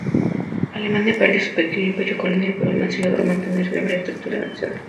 Alemania perdió su pequeño imperio colonial, pero aun así logró mantener su infraestructura nacional.